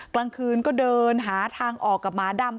กลางคืนก็เดินหาทางออกกับหมาดำ